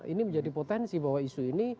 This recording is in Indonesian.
ini menjadi potensi bahwa isu ini